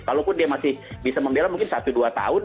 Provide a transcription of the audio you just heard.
kalaupun dia masih bisa membela mungkin satu dua tahun